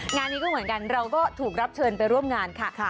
งานนี้ก็เหมือนกันเราก็ถูกรับเชิญไปร่วมงานค่ะ